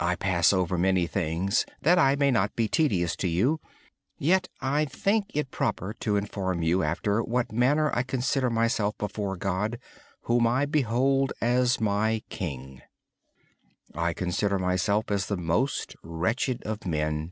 I pass over many things that I may not be tedious to you. Yet, I think it is appropriate to tell you how I perceive myself before God, whom I behold as my King. I consider myself as the most wretched of men.